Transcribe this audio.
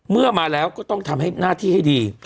เมื่อมาแล้วก็ต้องทำให้หน้าที่ให้ดี